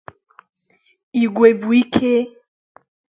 Igwe bụ ike.